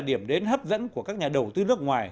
điểm đến hấp dẫn của các nhà đầu tư nước ngoài